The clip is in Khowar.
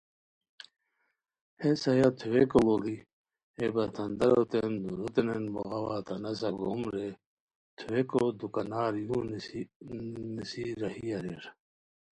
ہیس ہیہ تھوویکو لوڑی ہے بطھانداروتین دُوروتینین بوغاوا تہ نسہ گوم رے تھوویکو دوکانار یُو نیسی راہی اریر